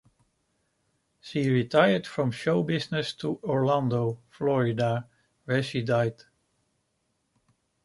She retired from show business to Orlando, Florida, where she died.